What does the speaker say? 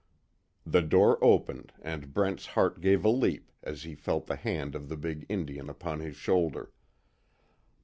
The door opened, and Brent's heart gave a leap as he felt the hand of the big Indian upon his shoulder.